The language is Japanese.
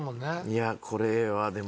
いやこれはでも。